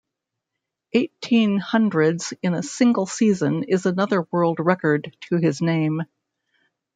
Eighteen hundreds in a single season is another world record to his name.